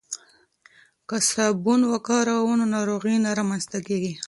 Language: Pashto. که صابون وکاروو نو ناروغۍ نه رامنځته کیږي.